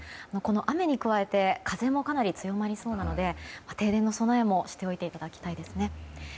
雨に加えて風もかなり強まりそうなので停電の備えもしておきたいですね。